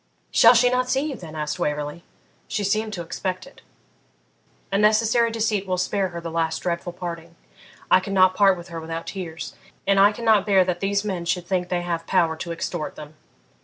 'Shall she not see you then?' asked Waverley. 'She seemed to expect it.' 'A necessary deceit will spare her the last dreadful parting. I could not part with her without tears, and I cannot bear that these men should think they have power to extort them.